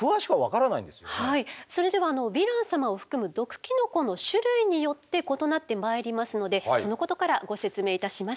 それではヴィラン様を含む毒キノコの種類によって異なってまいりますのでそのことからご説明いたします。